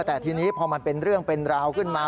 แต่ทีนี้พอมันเป็นเรื่องเป็นราวขึ้นมา